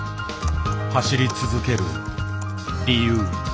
走り続ける理由。